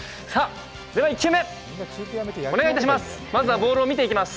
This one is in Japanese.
では１球目、お願いいたします。